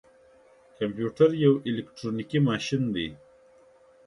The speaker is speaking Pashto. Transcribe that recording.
کمپيوټر يو اليکترونيکي ماشين دی.